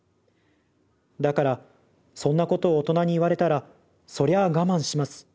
だからそんなことを大人に言われたらそりゃあ我慢します。